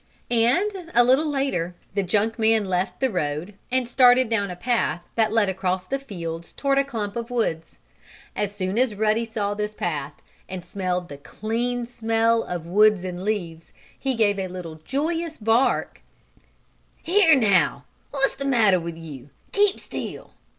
And, a little later, the junk man left the road, and started down a path that led across the fields toward a clump of woods. As soon as Ruddy saw this path, and smelled the clean smell of woods and leaves, he gave a little joyous bark. "Here now! What's the matter with you? Keep still!"